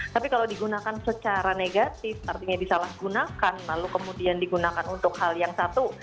tapi kalau digunakan secara negatif artinya disalahgunakan lalu kemudian digunakan untuk hal yang satu